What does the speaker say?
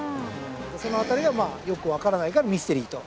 その辺りがよくわからないからミステリーと。